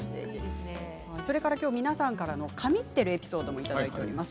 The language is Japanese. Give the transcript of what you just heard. それから、きょう皆さんから神ってるエピソードをいただいています。